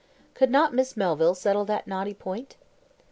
Could not Miss Melville settle that knotty point?